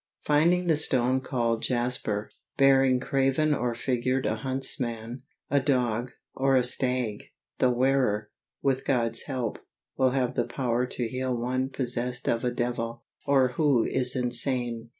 Finding the stone called jasper, bearing graven or figured a huntsman, a dog, or a stag, the wearer, with God's help, will have the power to heal one possessed of a devil, or who is insane.